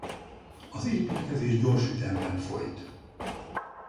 Az építkezés gyors ütemben folyt.